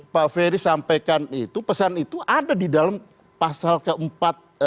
pak ferry sampaikan itu pesan itu ada di dalam pasal keempat